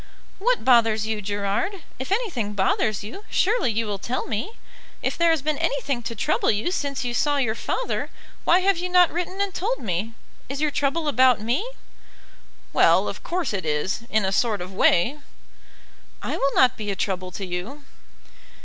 "What bothers you, Gerard? If anything bothers you, surely you will tell me. If there has been anything to trouble you since you saw your father why have you not written and told me? Is your trouble about me?" "Well, of course it is, in a sort of way." "I will not be a trouble to you."